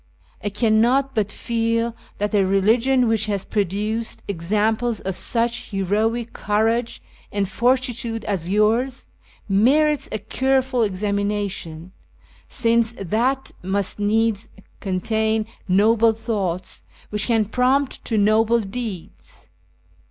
I cannot but feel that a religion which has produced examples of such heroic courage and fortitude as yours, merits a careful examination, since that must needs contain noble thoughts which can prompt to noble deeds.